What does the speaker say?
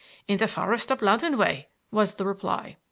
"In the forest up Loughton way," was the reply.